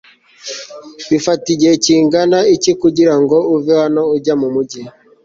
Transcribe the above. bifata igihe kingana iki kugira ngo uve hano ujya mu mujyi